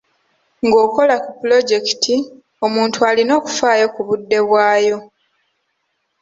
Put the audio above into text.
Ng'okola ku pulojekiti, omuntu alina okufaayo ku budde bwayo.